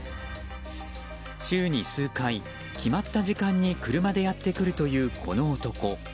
週に数回、決まった時間に車でやってくるというこの男。